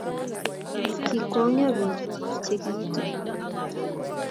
Kikwongyo biik chegiitu